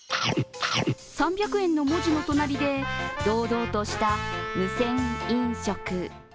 ３００円の文字の隣で堂々とした無銭飲食。